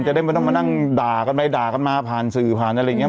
จะได้ไม่ต้องมานั่งด่ากันไปด่ากันมาผ่านสื่อผ่านอะไรอย่างนี้